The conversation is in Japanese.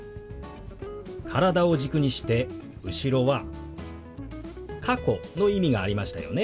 体を軸にして後ろは「過去」の意味がありましたよね。